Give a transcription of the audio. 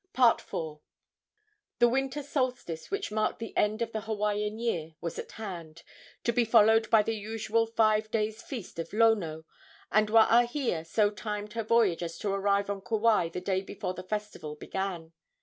IV. The winter solstice, which marked the end of the Hawaiian year, was at hand, to be followed by the usual five days' feast of Lono, and Waahia so timed her voyage as to arrive on Kauai the day before the festival began.